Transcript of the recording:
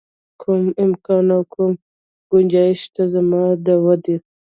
کوم امکان او کوم ګنجایش شته زما د ودې.